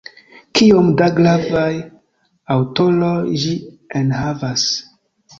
Kiom da gravaj aŭtoroj ĝi enhavas!